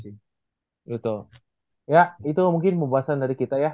ya itu mungkin pembahasan dari kita ya